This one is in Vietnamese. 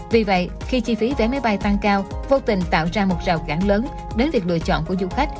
vì vậy khi chi phí vé máy bay tăng cao vô tình tạo ra một rào cản lớn đến việc lựa chọn của du khách